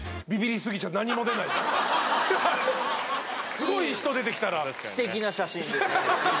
すごい人出てきたら。